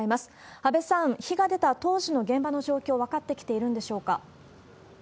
阿部さん、火が出た当時の現場の状況、分かってきているんでしょうか？